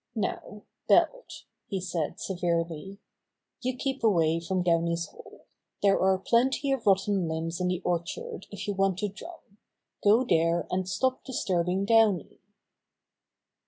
"Now, Belt," he said severely, "you keep away from Downy's hole. There are plenty of rotten limbs in the orchard if you want to drum. Go there, and stop disturbing Downy.''